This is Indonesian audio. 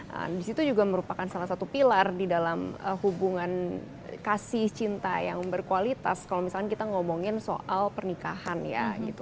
nah disitu juga merupakan salah satu pilar di dalam hubungan kasih cinta yang berkualitas kalau misalnya kita ngomongin soal pernikahan ya gitu